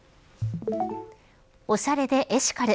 おしゃれでエシカル。